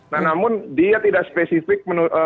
nah namun dia tidak spesifik